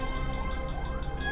tunggu nanti aku bakal datang